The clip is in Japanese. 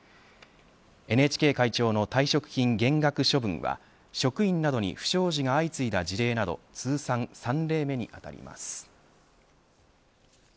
ＮＨＫ会長の退職金減額処分は職員などに不祥事が相次いだ事例など通算３例目にあたります。